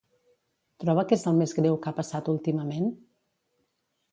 Troba que és el més greu que ha passat últimament?